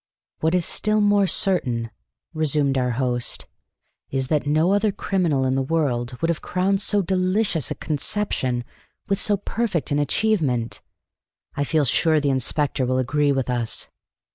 "What is still more certain," resumed our host, "is that no other criminal in the world would have crowned so delicious a conception with so perfect an achievement. I feel sure the inspector will agree with us."